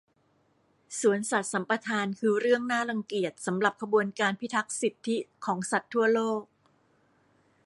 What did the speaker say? สวนสัตว์สัมปทานคือเรื่องน่ารังเกียจสำหรับขบวนการพิทักษ์สิทธิของสัตว์ทั่วโลก